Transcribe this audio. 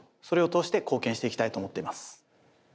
それを通して貢献していきたいと思っています。